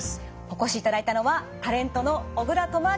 お越しいただいたのはタレントの小倉智昭さんです。